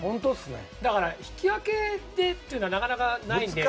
だから、引き分けでっていうのはなかなかないので。